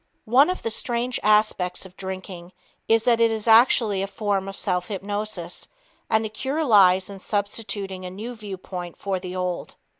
One of the strange aspects of drinking is that it is actually a form of self hypnosis, and the cure lies in substituting a new viewpoint for the old.